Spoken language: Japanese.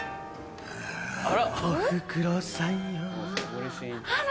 『おふくろさん』あら。